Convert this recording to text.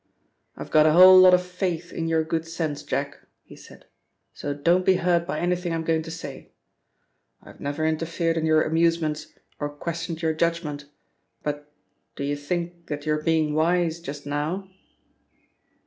"I've got a whole lot of faith in your good sense, Jack," he said, "so don't be hurt by anything I'm going to say. I've never interfered in your amusements or questioned your judgment but do you think that you're being wise just now?"